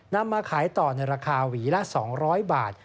นำมาขายต่อในราคาหวีละ๒๐๐บาท